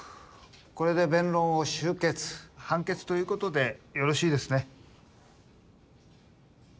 これで弁論を終結判決ということでよろしいですね